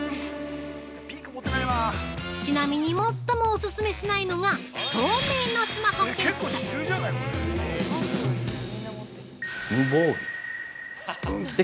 ちなみに、最もお勧めしないのが透明のスマホケース。